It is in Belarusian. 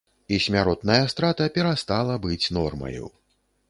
І смяротная страта перастала быць нормаю.